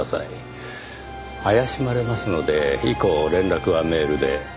怪しまれますので以降連絡はメールで。